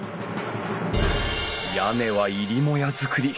屋根は入り母屋造り。